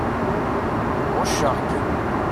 Ɣucceɣ-kem.